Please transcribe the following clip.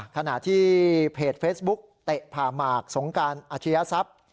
ขณะที่เพจเฟซบุ๊กเตะผ่าหมากสงการอาชียทรัพย์